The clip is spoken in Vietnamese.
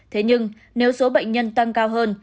thế nhưng nếu số bệnh nhân tăng cao hơn